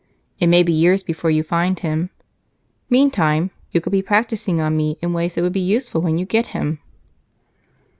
It may be years before you find him; meantime, you could be practicing on me in ways that would be useful when you get him."